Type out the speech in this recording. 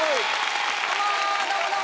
どうもどうもどうも！